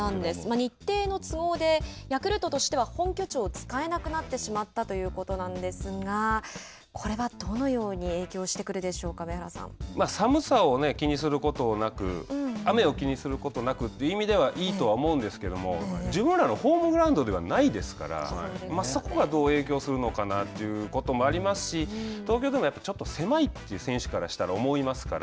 日程の都合でヤクルトとしては本拠地を使えなくなってしまったということなんですがこれはどのように影響してくるで寒さを気にすることなく雨を気にすることなくという意味ではいいとは思うんですけども自分らのホームグラウンドではないですからそこはどう影響するのかなということもありますし東京ドームはやっぱりちょっと狭いという選手からしたら思いますから。